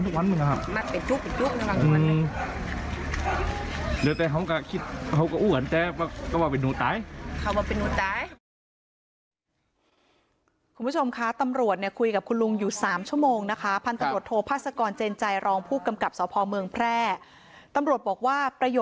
เขาก็อ้วนแจ้วว่าเป็นหนูตาย